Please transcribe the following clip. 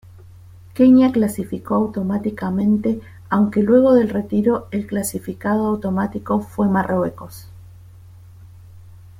Kenia clasificó automáticamente aunque luego del retiro el clasificado automático fue Marruecos.